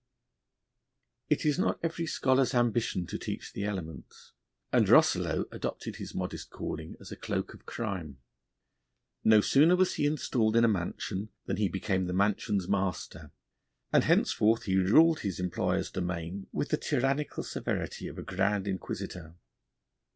It is not every scholar's ambition to teach the elements, and Rosselot adopted his modest calling as a cloak of crime. No sooner was he installed in a mansion than he became the mansion's master, and henceforth he ruled his employer's domain with the tyrannical severity of a Grand Inquisitor.